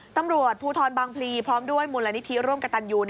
ตำรวจภูทรบางพลีพร้อมด้วยมูลนิธิร่วมกับตันยู